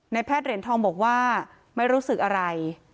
แพทย์เหรียญทองบอกว่าไม่รู้สึกอะไร